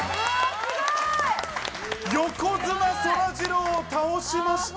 横綱そらジローを倒しました！